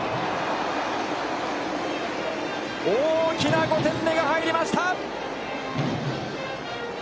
大きな５点目が入りました。